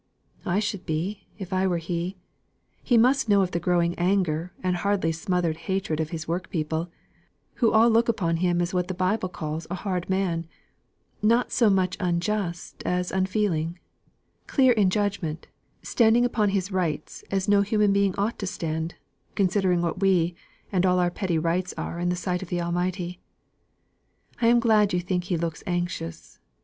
"I should be, if I were he. He must know of the growing anger and hardly smothered hatred of his workpeople, who all looked upon him as what the Bible calls a 'hard man,' not so much unjust as unfeeling; clear in judgment, standing upon his 'rights' as no human being ought to stand, considering what we and all our petty rights are in the sight of the Almighty. I am glad you think he looks anxious.